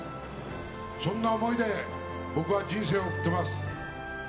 そんな思いで僕は人生を生きます。